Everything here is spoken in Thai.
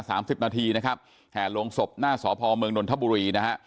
สามสิบนาทีนะครับแห่ลงศพหน้าสพเมืองนนทบุรีนะฮะ